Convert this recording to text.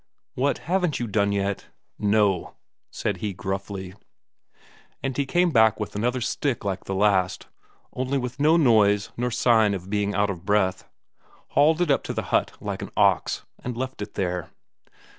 "What, haven't you done yet?" "No," said he gruffly. And he came back with another stick like the last, only with no noise nor sign of being out of breath; hauled it up to the hut like an ox, and left it there.